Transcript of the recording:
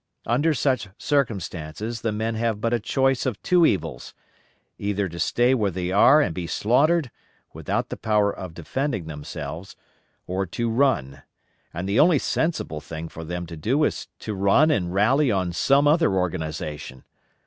Under such circumstances, the men have but a choice of two evils, either to stay where they are and be slaughtered, without the power of defending themselves, or to run; and the only sensible thing for them to do is to run and rally on some other organization.